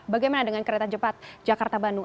bagaimana dengan kereta cepat jakarta bandung